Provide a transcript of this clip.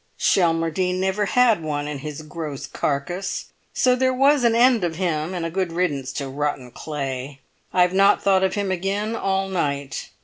Schelmerdine never had one in his gross carcass. So there was an end of him, and a good riddance to rotten clay. I have not thought of him again all night.